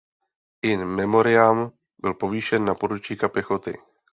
In memoriam byl povýšen na poručíka pěchoty.